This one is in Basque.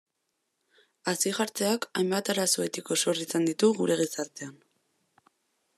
Hazi-jartzeak hainbat arazo etiko sor izan ditu gure gizartean.